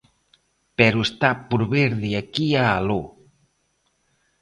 Pero está por ver de aquí a aló.